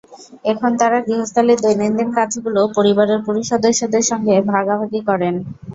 এখন তাঁরা গৃহস্থালির দৈনন্দিন কাজগুলো পরিবারের পুরুষ সদস্যদের সঙ্গে ভাগাভাগি করেন।